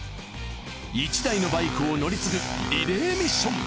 １台のバイクを乗り継ぐリレーミッション！